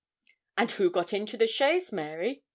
'And who got into the chaise, Mary?'